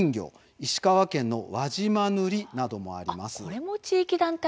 石川県の「輪島塗」などもあります。